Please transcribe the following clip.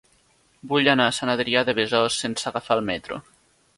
Vull anar a Sant Adrià de Besòs sense agafar el metro.